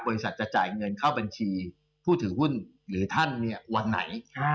บริษัทจะจ่ายเงินเข้าบัญชีผู้ถือหุ้นหรือท่านเนี่ยวันไหน